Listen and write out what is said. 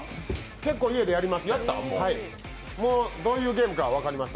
結構、家でやりました。